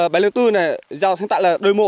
bài liên tư này dài đặc